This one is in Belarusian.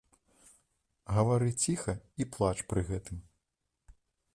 Гавары ціха і плач пры гэтым.